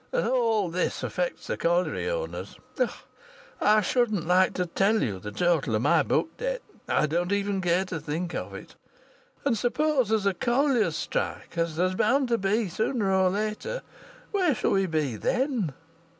And all this affects the colliery owners. I shouldn't like to tell you the total of my book debts; I don't even care to think of it. And suppose there's a colliers' strike as there's bound to be sooner or later where shall we be then?"